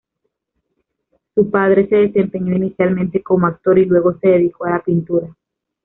Su padre se desempeñó inicialmente como actor y luego se dedicó a la pintura.